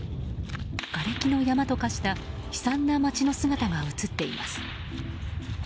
がれきの山と化した悲惨な街の姿が映っています。